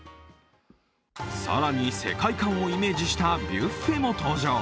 更に、世界観をイメージしたビュッフェも登場。